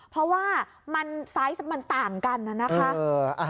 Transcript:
เพราะว่ามันไซส์มันต่างกันนะคะ